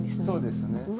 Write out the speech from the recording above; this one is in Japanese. そうですね。